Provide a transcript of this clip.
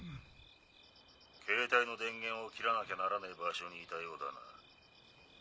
ケータイの電源を切らなきゃならねえ場所にいたようだな。